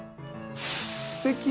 すてき。